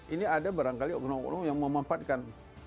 ini ada barangkali umum umum yang memanfaatkan